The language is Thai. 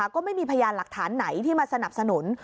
ก็ไม่มีพยานหลักฐานไหนที่มาสนับสนุน